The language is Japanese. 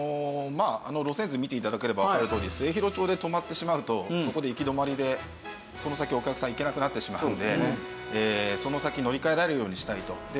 あの路線図見て頂ければわかるとおり末広町で止まってしまうとそこで行き止まりでその先お客さん行けなくなってしまうのでその先乗り換えられるようにしたいと。